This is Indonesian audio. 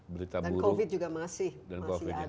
dan covid juga masih ada